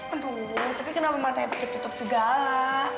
aduh tapi kenapa mata yang pake tutup segala